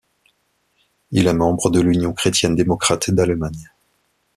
Il est membre de l'Union chrétienne-démocrate d'Allemagne.